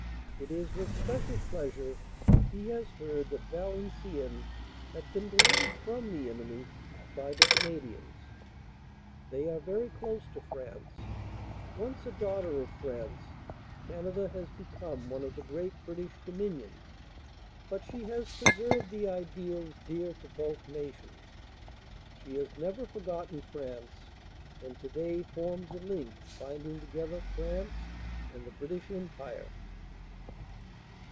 It is with special pleasure he has heard that Valenciennes had been delivered from the enemy by the Canadians. They are very close to France. Once a daughter of France, Canada has become one of the great British Dominions, but she has pre served the ideals dear to both nations. She has never forgot ten France and today forms a link binding together France and the British Empire.